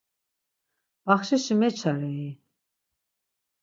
Baxşişi meçarei?